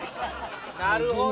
なるほど。